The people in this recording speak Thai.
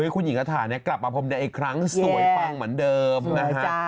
คุณหญิงกระถากลับมาพรมแดงอีกครั้งสวยปังเหมือนเดิมนะฮะ